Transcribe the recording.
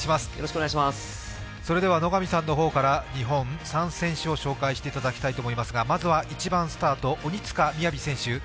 それでは野上さんの方から日本３選手を紹介していただきたいと思いますがまずは１番スタート、鬼塚雅選手